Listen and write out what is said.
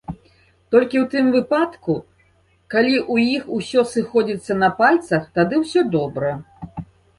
Толькі ў тым выпадку, калі ў іх усё сыходзіцца на пальцах, тады ўсё добра!